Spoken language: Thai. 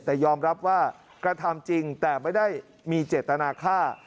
แต่ยอมรับว่ากระทำจริงแต่ไม่ได้มีเจตนาฆ่า